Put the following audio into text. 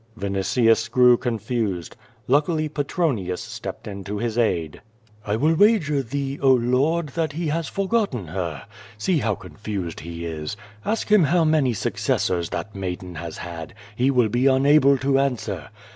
Vinitius grew confused. Luckily Petronius stepped in to his aid. "I will wager thee, oh lord, that he has forgotten her. See how confused he is. Ask him how many successors that maiden has had. He will be unable to answer.